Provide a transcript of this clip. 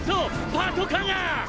パトカーが！！